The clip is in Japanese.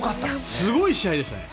すごい試合でしたね。